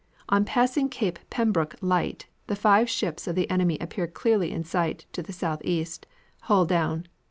On passing Cape Pembroke light, the five ships of the enemy appeared clearly in sight to the southeast, hull down.